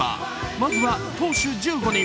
まずは、投手１５人。